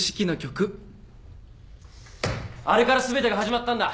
あれからすべてが始まったんだ。